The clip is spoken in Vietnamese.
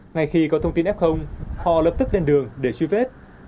ngay khi có thông tin f họ lập tức lên đường để truy vết